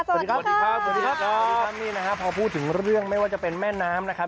สวัสดีครับพอพูดถึงเรื่องไม่ว่าจะเป็นแม่น้ำนะครับ